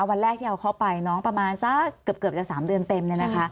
วันแรกที่เอาเข้าไปเกือบจะ๓เดือนเต็ม